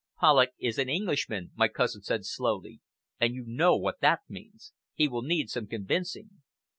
"Polloch is an Englishman," my cousin said slowly, "and you know what that means. He will need some convincing!"